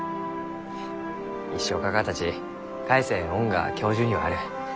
いや一生かかったち返せん恩が教授にはある。